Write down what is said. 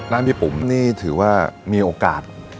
พี่ปุ๋มนี่ถือว่ามีโอกาส